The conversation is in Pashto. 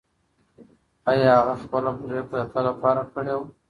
ایا هغې خپله پرېکړه د تل لپاره کړې وه؟